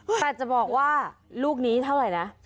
แต่จะบอกว่าลูกนี้เท่าไหร่นะ